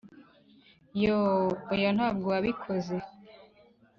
yo oya ntabwo wabikoze.